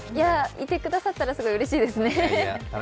いてくださったらうれしいですね。